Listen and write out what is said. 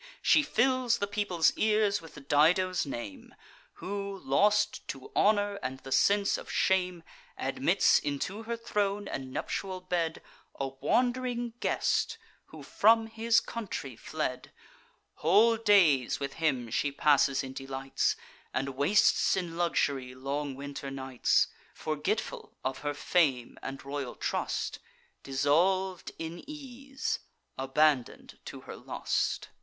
She fills the people's ears with Dido's name, Who, lost to honour and the sense of shame, Admits into her throne and nuptial bed A wand'ring guest, who from his country fled: Whole days with him she passes in delights, And wastes in luxury long winter nights, Forgetful of her fame and royal trust, Dissolv'd in ease, abandon'd to her lust.